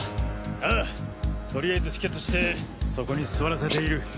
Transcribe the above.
ああとりあえず止血してそこに座らせている。